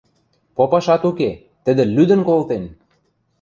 Попашат уке, тӹдӹ лӱдӹн колтен!